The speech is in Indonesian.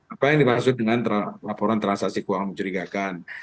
apa yang dimaksud dengan laporan transaksi keuangan mencurigakan